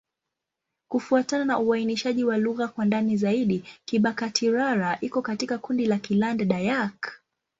Kufuatana na uainishaji wa lugha kwa ndani zaidi, Kibakati'-Rara iko katika kundi la Kiland-Dayak.